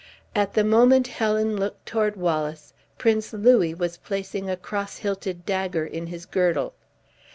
At the moment Helen looked toward Wallace, Prince Louis was placing a cross hilted dagger in his girdle.